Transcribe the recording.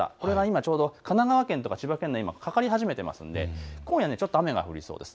ちょうど神奈川県や千葉県にかかり始めていますので今夜は雨が降りそうです。